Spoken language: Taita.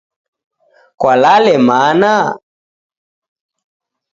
Kwalale mana?.